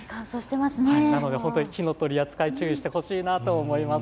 なので本当に火の扱い、注意してほしいと思います。